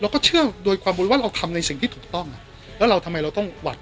เชื่องโดยความบริวารเราทำในสิ่งที่ถูกต้องอ่ะแล้วเราทำไมเราต้องหวัด